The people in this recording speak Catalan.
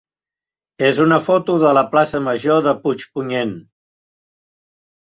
és una foto de la plaça major de Puigpunyent.